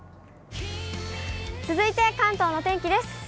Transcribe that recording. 続いて関東の天気です。